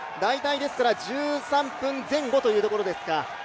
ですから大体１３分前後というところですか？